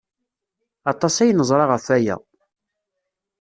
Aṭas ay neẓra ɣef waya.